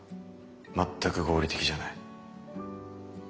全く合理的じゃない。